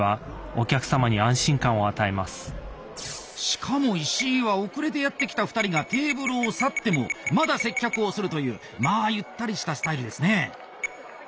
しかも石井は遅れてやって来た２人がテーブルを去ってもまだ接客をするというまあゆったりしたスタイルですね。